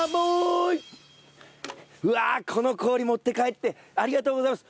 うわこの氷持って帰ってありがとうございます！